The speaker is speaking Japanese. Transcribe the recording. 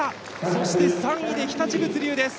そして、３位で日立物流です。